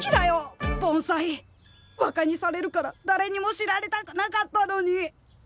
バカにされるからだれにも知られたくなかったのに。